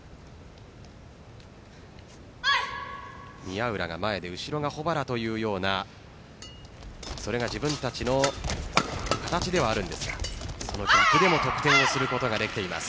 宮浦が前で後ろが保原というようなそれが自分たちの形ではあるんですがその逆でも得点を取る事ができています。